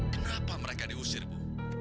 kenapa mereka diusir bu